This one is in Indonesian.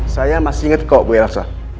saya masih inget kok bu elsa